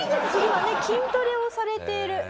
今ね筋トレをされている。